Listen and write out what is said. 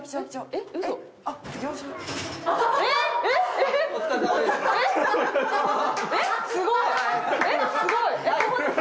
えっすごい！